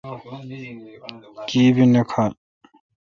کی بھی نہ کھال۔